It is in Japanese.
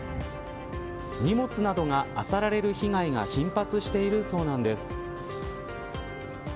荷物などがあさられる被害が頻発しているそうなんです。